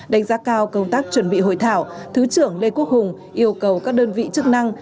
đánh giá cao công tác chuẩn bị hội thảo thứ trưởng lê quốc hùng yêu cầu các đơn vị chức năng